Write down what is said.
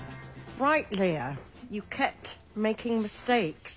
はい。